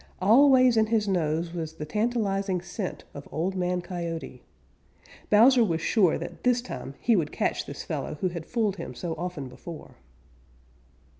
Always in his nose was the tantalizing scent of Old Man Coyote. Bowser was sure that this time he would catch this fellow who had fooled him so often before.